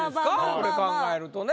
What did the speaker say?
これ考えるとね。